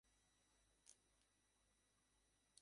আমি তোমার সাথে যাচ্ছি।